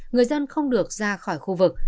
người dân không được ra khỏi khu vực